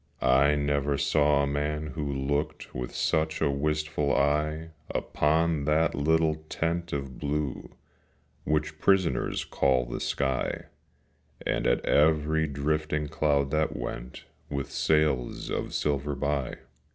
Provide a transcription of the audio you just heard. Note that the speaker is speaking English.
I never saw a man who looked With such a wistful eye Upon that little tent of blue Which prisoners call the sky, And at every drifting cloud that went With sails of silver by.